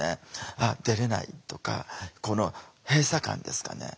「あっ出れない」とかこの閉鎖感ですかね。